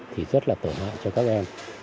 thì rất là tổn hại cho các em